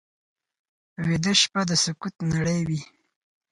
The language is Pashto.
ویده شپه د سکوت نړۍ وي